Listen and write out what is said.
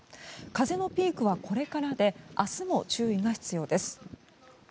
風のピークはこれからで明日も注意が必要です。